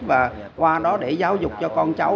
và qua đó để giáo dục cho con cháu